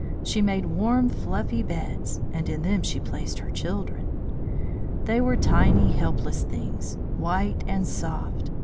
She made warm fluffy beds, and in them she placed her children. They were tiny, helpless things, white and soft.